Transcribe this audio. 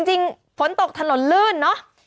จริงฝนตกถนนลื่นเนอะ